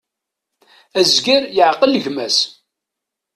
Azger yeƐqel gma-s.